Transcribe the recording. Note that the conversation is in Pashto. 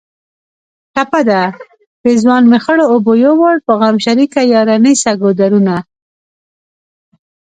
ټپه ده: پېزوان مې خړو اوبو یوړ په غم شریکه یاره نیسه ګودرونه